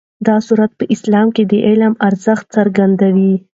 دا سورت په اسلام کې د علم ارزښت څرګندوي.